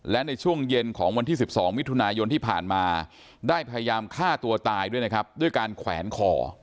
และในช่วงเย็นของวันที่๑๒มิถุนายนที่ผ่านมาได้พยายามฆ่าตัวตายด้วยนะครับด้วยการแขวนคอ